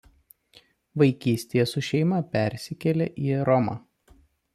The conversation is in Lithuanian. Vaikystėje su šeima persikėlė į Romą.